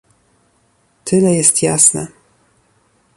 tyle jest jasne